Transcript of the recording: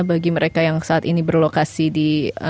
bagi mereka yang saat ini berlokasi di